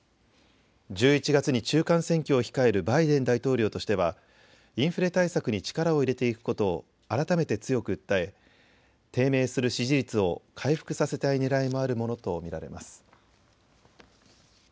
１１月に中間選挙を控えるバイデン大統領としてはインフレ対策に力を入れていくことを改めて強く訴え低迷する支持率を回復させたいねらいもあるものと見られます。